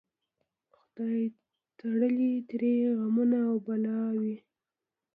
خدای تړلي ترې غمونه او بلاوي